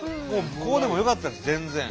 こうでもよかったです全然。